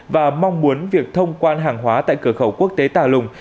và mong muốn việc thông quan hàng hóa tại cửa khẩu quốc tế tà lùng